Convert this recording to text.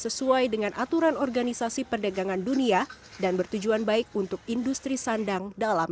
sesuai dengan aturan organisasi perdagangan dunia dan bertujuan baik untuk industri sandang dalam